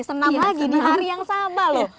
senam lagi di hari yang sama loh